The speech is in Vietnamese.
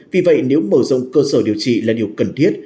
vì vậy nếu mở rộng cơ sở điều trị là điều cần thiết